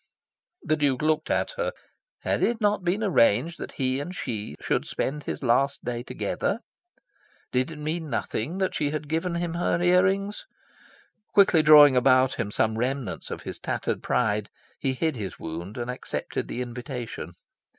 The Duke looked at her. Had it not been arranged that he and she should spend his last day together? Did it mean nothing that she had given him her ear rings? Quickly drawing about him some remnants of his tattered pride, he hid his wound, and accepted the invitation.